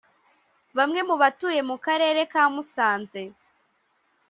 Bamwe mu batuye mu Karere ka Musanze